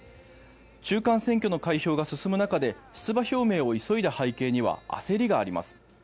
中間選挙の開票が進む中で出馬表明を急いだ背景には焦りがあります。